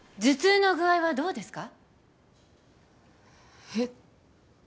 膝の具合はどうですか？